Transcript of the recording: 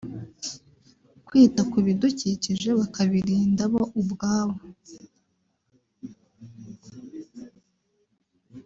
kwita ku bidukikije bakabirinda bo ubwabo